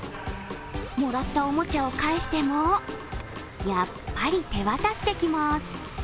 もらったおもちゃを返してもやっぱり手渡してきます。